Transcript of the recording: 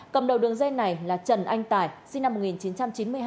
cầm đầu đường dây này là trần anh tài sinh năm một nghìn chín trăm chín mươi hai